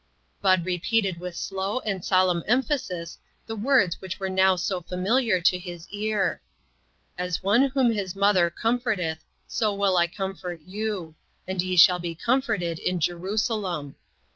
End repeated with slow and solemn em phasis the words which were now so fa miliar to his ear :" As one whom his mother comforteth, so will I comfort you : and ye' shall be comforted in Jerusalem."